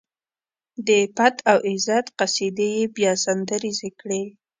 د پت او عزت قصيدې يې بيا سندريزې کړې.